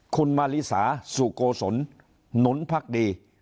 คุณมาริสาสุโกศลหนุนพักดี